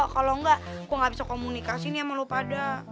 kalo enggak gua gak bisa komunikasi nih sama lo pada